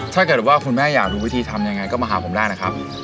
ถ้าเกิดว่าคุณแม่อยากรู้วิธีทำยังไงก็มาหาผมได้นะครับ